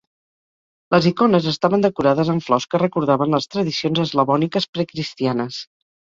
Les icones estaven decorades amb flors que recordaven les tradicions eslavòniques pre-Cristianes.